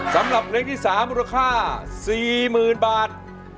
สำหรับเพลงที่๓มูลค่า๔๐๐๐บาท